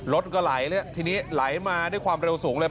รถก็ไหลเลยทีนี้ไหลมาด้วยความเร็วสูงเลย